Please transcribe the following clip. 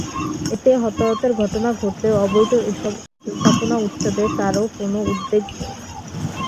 এতে হতাহতের ঘটনা ঘটলেও অবৈধ এসব স্থাপনা উচ্ছেদে কারও কোনো উদ্যোগ নেই।